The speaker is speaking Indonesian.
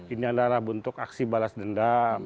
ini adalah bentuk aksi balas dendam